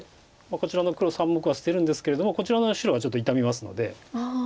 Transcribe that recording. こちらの黒３目は捨てるんですけれどもこちらの白はちょっと傷みますので。